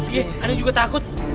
iya ane juga takut